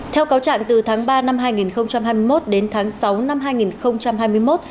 theo cáo trạng từ tháng ba năm hai nghìn hai mươi một đến tháng sáu năm hai nghìn hai mươi một